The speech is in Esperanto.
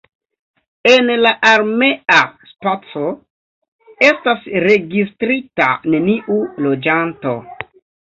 En la armea spaco estas registrita neniu loĝanto.